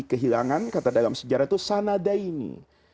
kehilangan kata dalam sejarah itu sanadaini